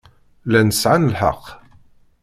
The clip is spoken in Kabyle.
Llant sɛant lḥeqq.